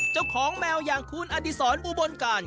เจ้าของแมวอย่างคุณอดีศรอุบลการ